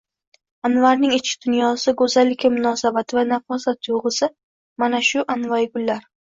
Anvarning ichki dunyosi, go’zallikka munosabati va nafosat tuyg’usi mana shu anvoyi gullar